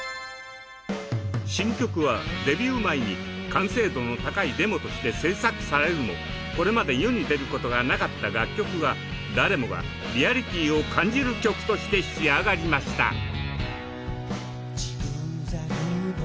新曲はデビュー前に完成度の高いデモとして制作されるもこれまで世に出ることがなかった楽曲が誰もがリアリティーを感じる曲として仕上がりました。